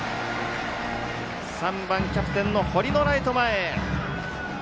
３番キャプテンの堀のライト前。